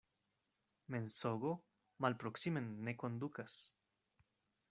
Mensogo malproksimen ne kondukas.